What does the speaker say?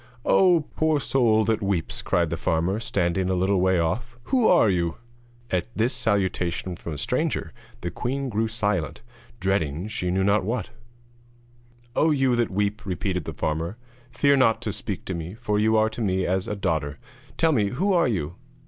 'Oh, poor soul that weeps,' cried the farmer, standing a little way off, 'who are you?' At this salutation from a stranger the queen grew silent, dreading she knew not what. [Illustration: THE FARMER FINDS THE QUEEN WEEPING BY THE PALANQUIN] 'Oh, you that weep,' repeated the farmer, 'fear not to speak to me, for you are to me as a daughter. Tell me, who are you?'